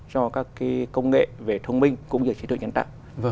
cho các công nghệ về thông minh cũng như trí tuệ nhân tạo